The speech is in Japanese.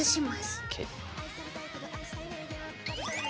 ＯＫ。